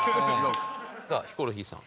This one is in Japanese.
さあヒコロヒーさん。